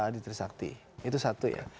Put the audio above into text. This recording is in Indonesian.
di trisakti itu satu ya